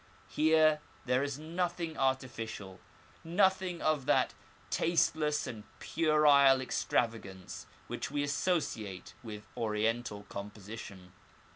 Here there is nothing artificial, nothing of that tasteless and puerile extravagance which we associate with Oriental composition.